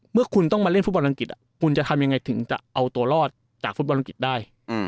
เมื่อคุณต้องมาเล่นฟุตบอลอังกฤษคุณจะทำยังไงถึงจะเอาตัวรอดจากฟุตบอลอังกฤษได้